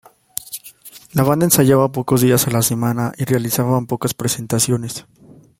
La banda ensayaba pocos días a la semana y realizaban pocas presentaciones.